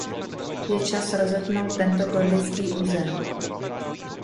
Je čas rozetnout tento gordický uzel!